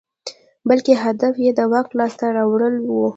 بلکې هدف یې د واک لاسته راوړل وو.